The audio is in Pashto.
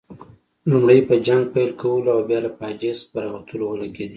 لومړی په جنګ پیل کولو او بیا له فاجعې څخه په راوتلو ولګېدې.